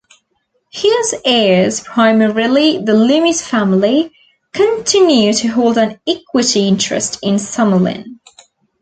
Hughes' heirs, primarily the Lummis family, continue to hold an equity interest in Summerlin.